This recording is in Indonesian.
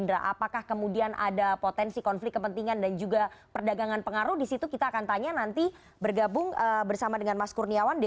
dalam konteks ini siapa yang paling diuntungkan